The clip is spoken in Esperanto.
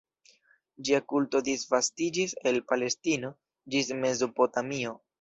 Ĝia kulto disvastiĝis el Palestino ĝis Mezopotamio.